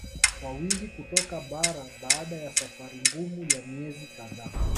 Kwa wingi kutoka bara baada ya safari ngumu ya miezi kadhaa